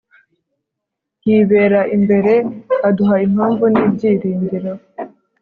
yibera imbere, aduha impamvu n'ibyiringiro